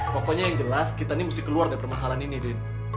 pokoknya yang jelas kita nih mesti keluar dari permasalahan ini din